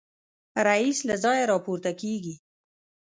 رییس له ځایه راپورته کېږي.